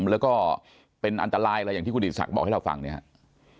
แล้วก็เป็นอันตรายอะไรอย่างที่คุณอิสักบอกให้เราฟังเนี่ยครับ